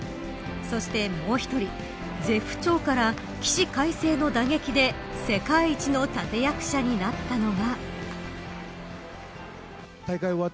そして、もう１人絶不調から起死回生の打撃で世界一の立役者になったのが。